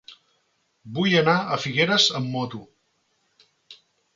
Vull anar a Figueres amb moto.